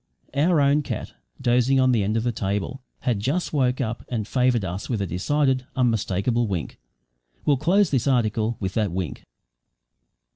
Our own cat dozing on the end of the table had just woke up and favoured us with a decided, unmistakable wink. We'll close this article with that wink.